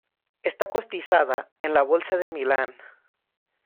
Está cotizada en la Bolsa de Milán.